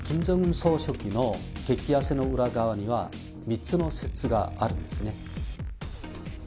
総書記の激痩せの裏側には、３つの説があるんですね。